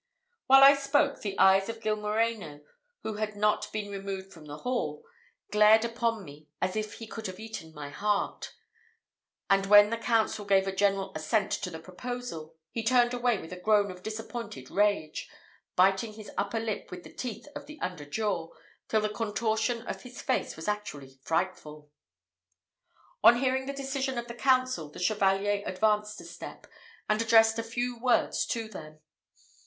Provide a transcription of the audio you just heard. While I spoke, the eyes of Gil Moreno, who had not been removed from the hall, glared upon me as if he could have eaten my heart; and when the council gave a general assent to the proposal, he turned away with a groan of disappointed rage, biting his upper lip with the teeth of the under jaw, till the contortion of his face was actually frightful. On hearing the decision of the council, the Chevalier advanced a step, and addressed a few words to them.